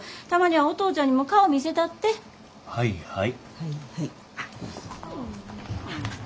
はいはい。